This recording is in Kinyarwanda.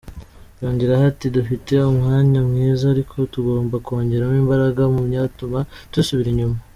Yongeraho ati “Dufite umwanya mwiza ariko tugomba kongeramo imbaraga mu byatuma dusubira inyuma.